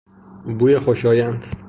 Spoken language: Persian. بوی خوشایند